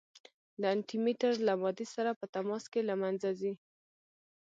د انټي مټر له مادې سره په تماس کې له منځه ځي.